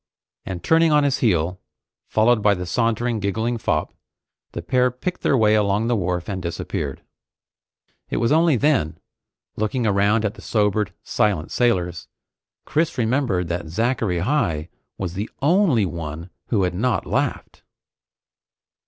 And turning on his heel, followed by the sauntering, giggling fop, the pair picked their way along the wharf and disappeared. It was only then, looking around at the sobered, silent sailors, Chris remembered that Zachary Heigh was the only one who had not laughed.